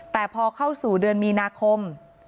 แต่พอเข้าสู่เดือนมีนาคม